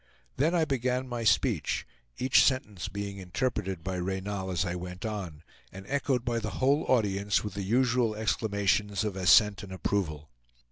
Then I began my speech, each sentence being interpreted by Reynal as I went on, and echoed by the whole audience with the usual exclamations of assent and approval.